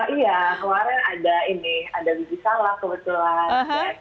iya kemarin ada ini ada biji salak kebetulan